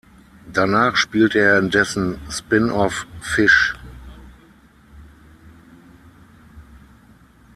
Danach spielte er in dessen Spin-off "Fish".